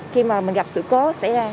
khi mà mình gặp sự cố xảy ra